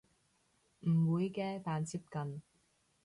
唔會嘅但接近